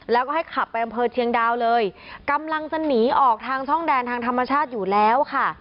แล้วก็ให้ขับไปอำเภอเชียงดาวเลยกำลังจะหนีออกทางช่องแดนทางธรรมชาติอยู่แล้วค่ะ